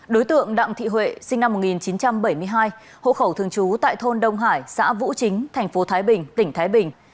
đối tượng đặng thị huệ sinh năm một nghìn chín trăm bảy mươi hai hộ khẩu thường trú tại thôn đông hải xã vũ chính tp thái bình tỉnh thái bình